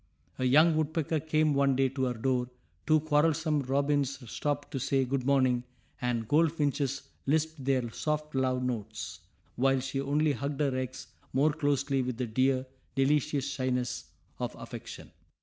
A young woodpecker came one day to her door; two quarrelsome robins stopped to say good morning; and goldfinches lisped their soft love notes, while she only hugged her eggs more closely with the dear, delicious shyness of affection.